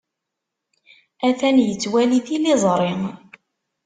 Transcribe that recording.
Atan yettwali tiliẓri.